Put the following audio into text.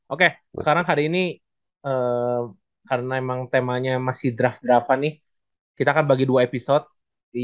oke sekarang hari ini karena emang temanya masih draft draft nih kita akan bagi dua episode